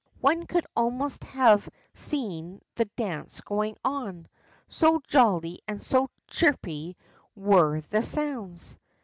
One could almost have seen the dance going on, so jolly and so chippy were the sounds.